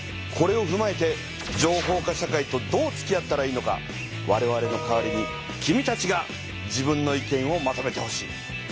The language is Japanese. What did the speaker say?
これをふまえて情報化社会とどうつきあったらいいのかわれわれの代わりに君たちが自分の意見をまとめてほしい。